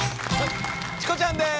チコちゃんです！